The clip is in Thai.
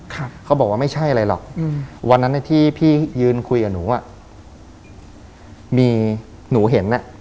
เขาบอกว่าไม่ใช่อะไรหรอกอืมวันนั้นในที่พี่ยืนคุยกับหนูอ่ะมีหนูเห็นอ่ะ